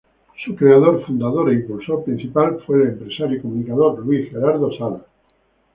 Su creador, fundador e impulsor principal fue el empresario y comunicador Luis Gerardo Salas.